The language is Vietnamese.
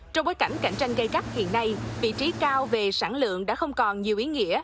trong bối cảnh cạnh tranh gây gắt hiện nay vị trí cao về sản lượng đã không còn nhiều ý nghĩa